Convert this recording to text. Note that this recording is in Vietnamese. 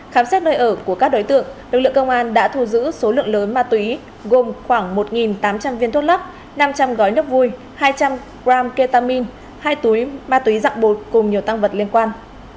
khám xét nơi ở của các đối tượng lực lượng công an đã thu giữ số lượng lớn ma túy gồm khoảng một tám trăm linh viên thuốc lắc năm trăm linh gói nước vui hai trăm linh g ketamin hai túi ma túy dạng bột cùng nhiều tăng vật liên quan